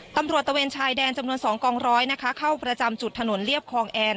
ตำรวจทวนสองกองร้อยเข้าประจำจุดถนนเลียบคลองแอน